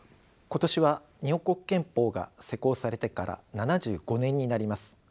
今年は日本国憲法が施行されてから７５年になります。